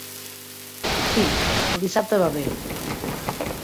Sí, el dissabte va bé.